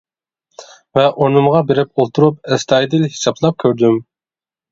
ۋە ئورنۇمغا بېرىپ ئولتۇرۇپ ئەستايىدىل ھېسابلاپ كۆردۈم.